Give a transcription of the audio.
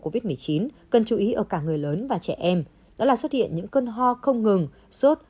covid một mươi chín cần chú ý ở cả người lớn và trẻ em đó là xuất hiện những cơn ho không ngừng sốt